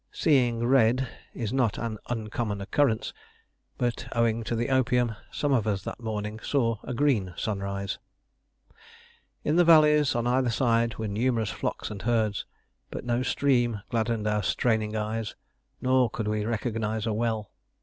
"Seeing red" is not an uncommon occurrence, but, owing to the opium, some of us that morning saw a green sunrise. In the valleys on either side were numerous flocks and herds; but no stream gladdened our straining eyes, nor could we recognise a well.